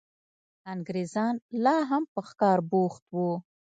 انګرېزان لا هم په ښکار بوخت وو.